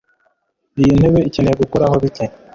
Iyi ntebe ikeneye gukoraho bike.